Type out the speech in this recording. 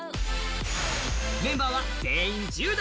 メンバーは全員１０代。